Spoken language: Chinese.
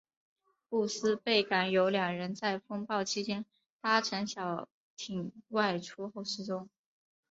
布斯贝港有两人在风暴期间搭乘小艇外出后失踪。